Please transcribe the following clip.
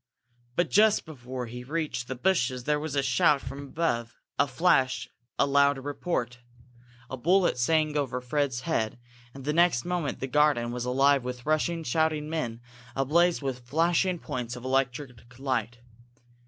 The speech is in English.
But, just before he reached the bushes there was a shout from above, a flash, a loud report. A bullet sang over Fred's head, and the next moment the garden was alive with rushing, shouting men, ablaze with flashing points of electric light.